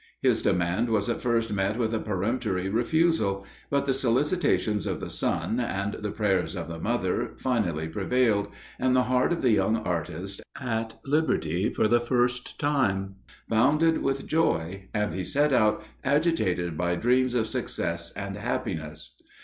His demand was at first met with a peremptory refusal; but the solicitations of the son, and the prayers of the mother, finally prevailed, and the heart of the young artist, at liberty for the first time, bounded with joy and he set out agitated by dreams of success and happiness.